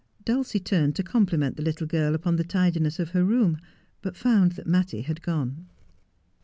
Dulcie turned to compliment the little girl upon the tidi ness of her room, but found that Mattie had gone.